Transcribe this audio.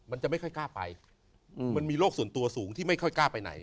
มันจะไม่ค่อยกล้าไปมันมีโรคส่วนตัวสูงที่ไม่ค่อยกล้าไปไหน